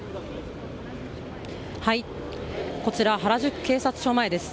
こちら、原宿警察署前です。